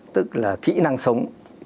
tức là kỹ năng sống